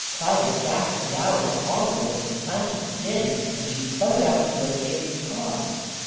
Klyda gasped aloud at the horror of the plangent din, and she spun about to locate its cause.